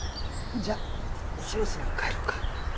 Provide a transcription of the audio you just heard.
じゃあそろそろ帰ろうか。